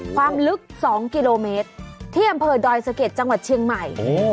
ความลึก๒กิโลเมตรที่อำเภอดอยสะเก็ดจังหวัดเชียงใหม่